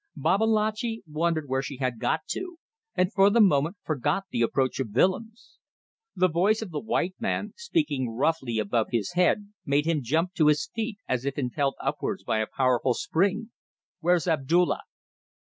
Babalatchi wondered where she had got to, and for the moment forgot the approach of Willems. The voice of the white man speaking roughly above his head made him jump to his feet as if impelled upwards by a powerful spring. "Where's Abdulla?"